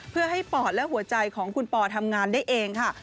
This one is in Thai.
เพื่อให้ปอดและหัวใจของคุณปอทำงานได้เองค่ะ